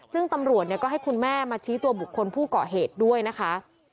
ซึ่งตำรวจก็ให้คุณแม่มาชี้ตัวบุคคลผู้เกาะเหตุด้วยนะคะ